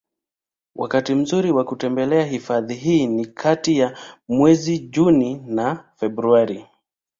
Wakati mzuri wa kutembelea hifadhi hii ni kati ya mwezi Juni na Februari